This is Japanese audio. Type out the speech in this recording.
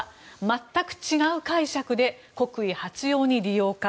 全く違う解釈で国威発揚に利用か。